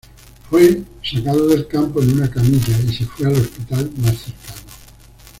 Fue sacado del campo en una camilla y se fue al hospital más cercano.